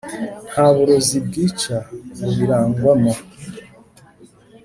nta burozi bwica bubirangwamo,